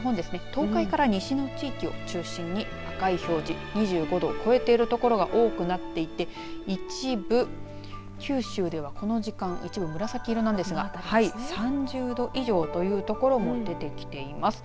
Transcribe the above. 東海から西の地域を中心に赤い表示２５度を超えている所が多くなっていて一部、九州では、この時間一部紫色なんですが３０度以上という所も出てきています。